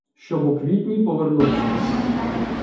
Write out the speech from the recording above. Щоб у квітні повернувся.